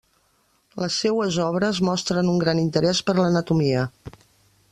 Les seues obres mostren un gran interès per l'anatomia.